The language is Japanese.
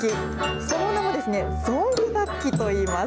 その名も、ゾンビ楽器といいます。